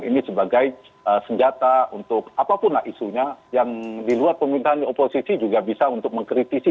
ini sebagai senjata untuk apapun lah isunya yang di luar pemerintahan oposisi juga bisa untuk mengkritisi